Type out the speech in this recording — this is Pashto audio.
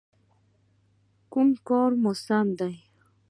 _کوم کار مو سم دی؟